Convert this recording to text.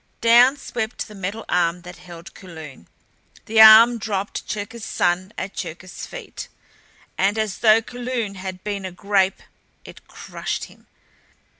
Down swept the metal arm that held Kulun. The arm dropped Cherkis's son at Cherkis's feet; and as though Kulun had been a grape it crushed him!